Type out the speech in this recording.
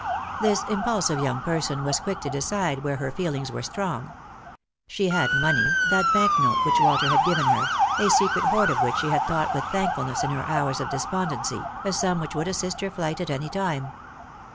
This impulsive young person was quick to decide where her feelings were strong. She had money, that bank note which Walter had given her — a secret hoard of which she had thought with thankfulness in her hours of despondency, a sum which would assist her flight at any time.